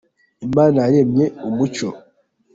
imana yaremye umucyo